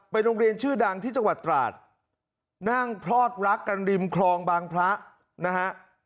เป็นโรงเรียนชื่อดังที่จังหวัดตราดนั่งพลอดรักกันริมคลองบางพระนะฮะ